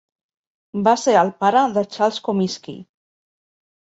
Va ser el pare de Charles Comiskey.